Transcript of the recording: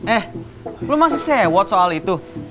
eh lo masih sewot soal itu